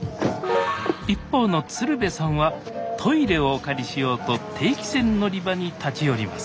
一方の鶴瓶さんはトイレをお借りしようと定期船乗り場に立ち寄ります